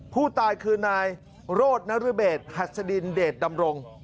ผู้ตายคือนายโรธนรเบศหัสดินเดชดำรง